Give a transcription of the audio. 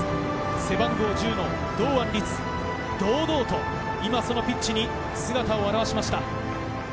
背番号１０の堂安律、堂々とピッチに姿を現しました。